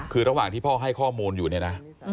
คือระหว่างที่พ่อให้ข้อมูลอยู่เนี่ยนะ